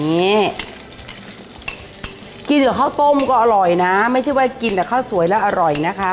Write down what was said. กินกับข้าวต้มก็อร่อยนะไม่ใช่ว่ากินแต่ข้าวสวยแล้วอร่อยนะคะ